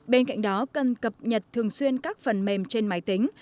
bên cạnh đó cần cập nhật thường xuyên các phần mềm trên máy tính